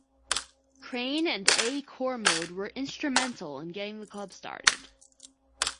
Craine and A. Cormode were instrumental in getting the club started.